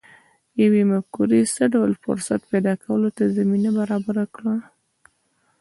یوې مفکورې څه ډول فرصت پیدا کولو ته زمینه برابره کړه